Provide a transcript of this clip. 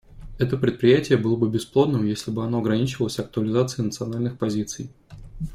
Это предприятие было бы бесплодным, если бы оно ограничивалось актуализацией национальных позиций.